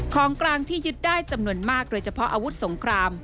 ของกลางที่ยึดได้จำนวนมากโดยเฉพาะอาวุธสงคราม